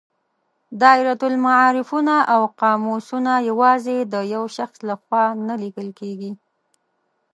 دایرة المعارفونه او قاموسونه یوازې د یو شخص له خوا نه لیکل کیږي.